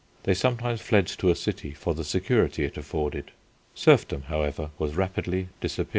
They sometimes fled to a city for the security it afforded. Serfdom, however, was rapidly disappearing. FOOTNOTES: G.